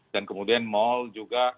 dan kemudian mall juga